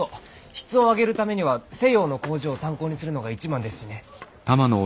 質を上げるためには西洋の工場を参考にするのが一番ですしね。